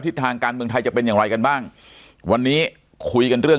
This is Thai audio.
ทางการเมืองไทยจะเป็นอย่างไรกันบ้างวันนี้คุยกันเรื่อง